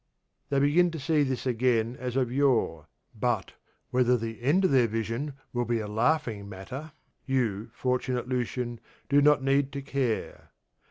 They begin to see this again as of yore; but whether the end of their vision will be a laughing matter, you, fortunate Lucian, do not need to care.